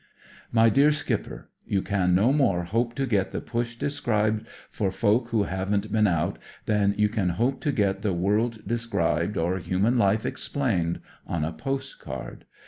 "My dear Skipper, you can no more hope to get the^^lsh described for folk who haven't been out than you can hope to get the world described, or human hfe explained, on a postcard.